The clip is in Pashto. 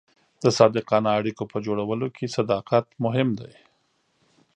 د صادقانه اړیکو په جوړولو کې صداقت مهم دی.